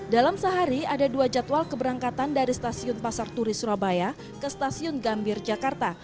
dalam sehari ada dua jadwal keberangkatan dari stasiun pasar turi surabaya ke stasiun gambir jakarta